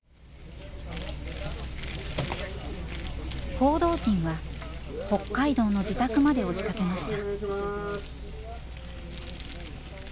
報道陣は北海道の自宅まで押しかけました。